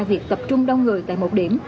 việc tập trung đông người tại một điểm